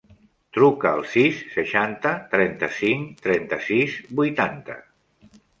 Truca al sis, seixanta, trenta-cinc, trenta-sis, vuitanta.